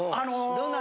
どんなん？